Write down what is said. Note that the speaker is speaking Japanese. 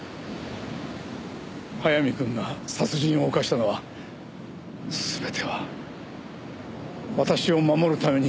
早見君が殺人を犯したのは全ては私を守るために。